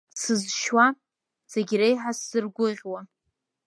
Сызшьуа, зегь реиҳа сзыргәыӷьуа…